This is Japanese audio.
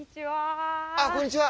こんにちは。